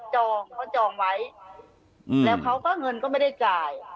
จองเขาจองไว้แล้วเขาก็เงินก็ไม่ได้จ่าย